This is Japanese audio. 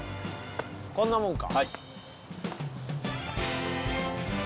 こんなもんか。